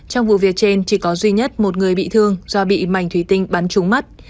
trong vụ việc trên chỉ có duy nhất một người bị thương do bị mảnh thủy tinh bắn trúng mắt